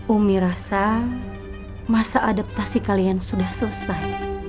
umi rasa masa adaptasi kalian sudah selesai